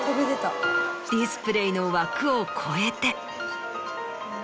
ディスプレイの枠を超えて。